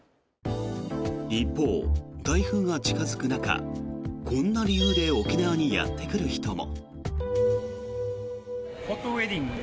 一方、台風が近付く中こんな理由で沖縄にやってくる人も。